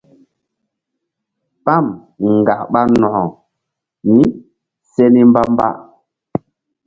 Pam ŋgak ɓa nok mí se ni mbamba.